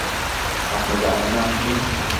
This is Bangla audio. আপনি জানেন না, আন্টি?